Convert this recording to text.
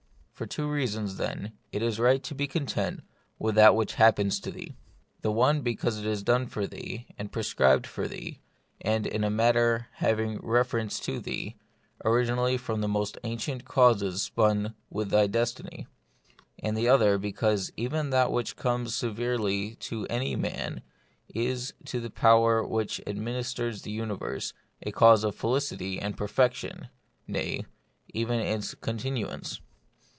For two reasons, then, it is right to be contented with that which happens to thee ; the one because it was done for thee, and pre scribed for thee, and, in a manner, had refer ence to thee, originally from the most ancient causes spun with thy destiny ; and the other, because even that which comes severally to any man is to the power which administers the universe a cause of felicity and perfection, nay, even of its continuance.